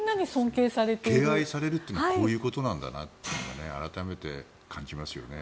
敬愛されるというのはこういうことなんだなって改めて感じますよね。